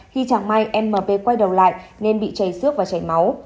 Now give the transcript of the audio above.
khi chẳng may mp quay đầu lại nên bị chảy xước và chảy máu